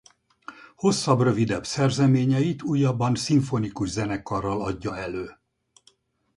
Hosszabb-rövidebb szerzeményeit újabban szimfonikus zenekarral adja elő.